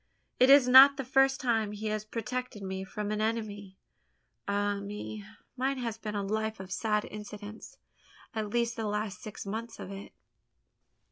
It is not the first time he has protected me from an enemy. Ah me! mine has been a life of sad incidents at least the last six months of it."